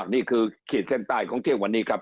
ขีดเส้นใต้ของเที่ยงวันนี้ครับ